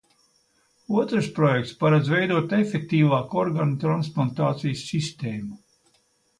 Otrs projekts paredz veidot efektīvāku orgānu transplantācijas sistēmu.